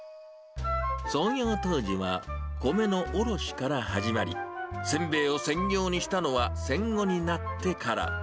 創業当時は米の卸から始まり、せんべいを専業にしたのは戦後になってから。